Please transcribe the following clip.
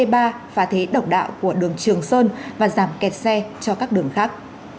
phá thế độc đạo của đường trường sơn và giảm kẹt xe cho các đường khác